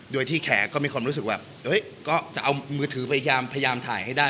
โดยที่แขก็มีคนรู้สึกแบบเฮ้ยก็จะเอามือถือไปยามพยายามถ่ายให้ได้